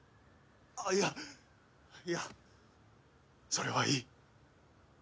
あっいやいやそれはいい。